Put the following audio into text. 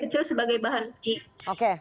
kecil sebagai bahan uci oke